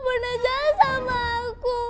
pernah jahat sama aku